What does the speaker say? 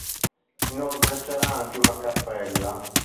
Inoltre c'era anche una cappella.